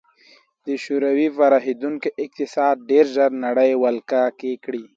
د شوروي پراخېدونکی اقتصاد ډېر ژر نړۍ ولکه کړي